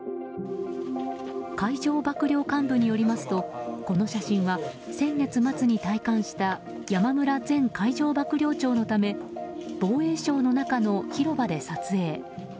海上幕僚監部によりますとこの写真は先月末に退官した山村前海上幕僚長のため防衛省の中の広場で撮影。